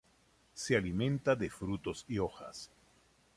Se alimenta de frutos y hojas.